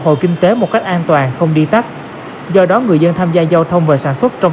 hồi kinh tế một cách an toàn không đi tắt do đó người dân tham gia giao thông và sản xuất trong